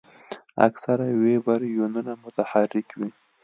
اکثره ویبریونونه متحرک وي.